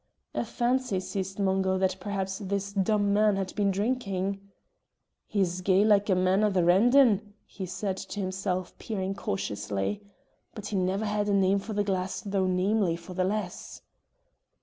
A fancy seized Mungo that perhaps this dumb man had been drinking. "He's gey like a man on the randan," he said to himself, peering cautiously, "but he never had a name for the glass though namely for the lass."